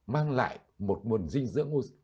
mang lại một nguồn dinh dưỡng